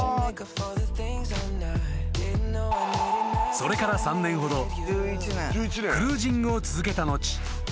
［それから３年ほどクルージングを続けた後］